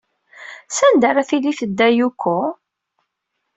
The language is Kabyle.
Sanda ara tili tedda Yoko?